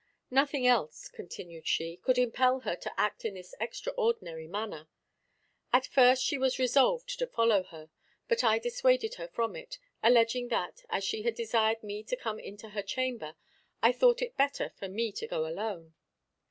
"Nothing else," continued she, "could impel her to act in this extraordinary manner." At first she was resolved to follow her; but I dissuaded her from it, alleging that, as she had desired me to come into her chamber, I thought it better for me to go alone.